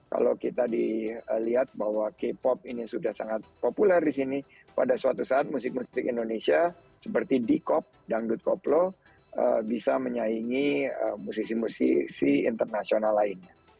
kalau kita dilihat bahwa k pop ini sudah sangat populer di sini pada suatu saat musik musik indonesia seperti di kop dangdut koplo bisa menyaingi musisi musisi internasional lainnya